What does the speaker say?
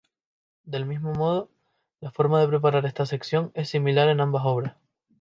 Del mismo modo, la forma de preparar esta sección es similar en ambas obras.